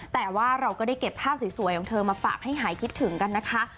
แต่ว่าเราก็ได้เก็บภาพสวยของเธอมาฝากให้หายคิดถึงกันนะคะ